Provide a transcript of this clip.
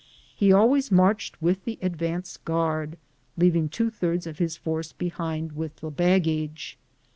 He always marched with the advance guard, leaving two thirds of his force behind with the baggage.